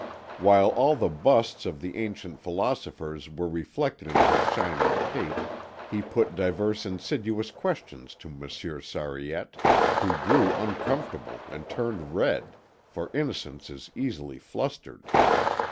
While all the busts of the ancient philosophers were reflected in his shining pate, he put divers insidious questions to Monsieur Sariette, who grew uncomfortable and turned red, for innocence is easily flustered.